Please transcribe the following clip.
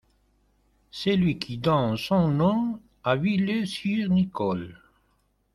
C’est lui qui donne son nom à Villers-Sire-Nicole.